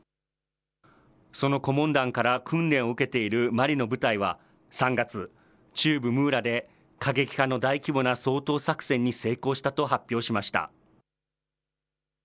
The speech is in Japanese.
その顧問団から訓練を受けているマリの部隊は３月、中部ムーラで、過激派の大規模な掃討作戦に成功したと発表しました。